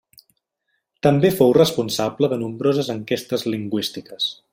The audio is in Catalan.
També fou el responsable de nombroses enquestes lingüístiques.